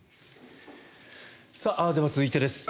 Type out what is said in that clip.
では、続いてです。